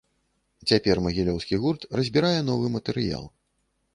Цяпер магілёўскі гурт разбірае новы матэрыял.